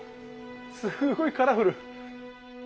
すっごいカラフル。